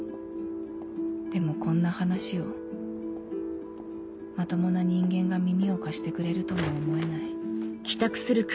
でもこんな話をまともな人間が耳を貸してくれるとも思えない